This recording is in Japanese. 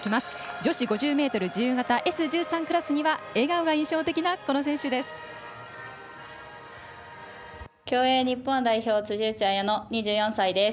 女子５０ｍ自由形Ｓ１３クラスには笑顔が印象的なこの選手です。